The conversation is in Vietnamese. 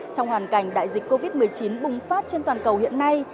trong hoàn cảnh đại dịch covid một mươi chín bùng phát trên toàn cầu hiện nay